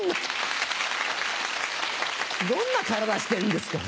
どんな体してるんですか。